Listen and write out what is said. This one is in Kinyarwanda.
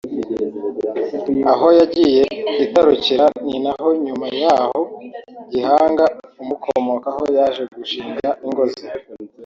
aho yagiye itarukira ninaho nyuma yaho Gihanga umukomokaho yaje gushinga ingo ze